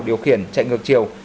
điều khiển chạy ngược chiều